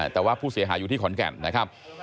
แต่ว่าผู้เสียหายอยู่ที่ขอนแก่นนะครับ